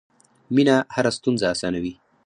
مینه هره ستونزه اسانوي.